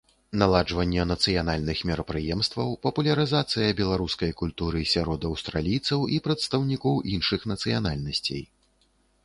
Наладжванне нацыянальных мерапрыемстваў, папулярызацыя беларускай культуры сярод аўстралійцаў і прадстаўнікоў іншых нацыянальнасцей.